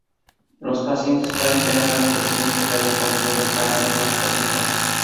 Los pacientes pueden tener antecedentes de haber consumido carnes mal cocidas.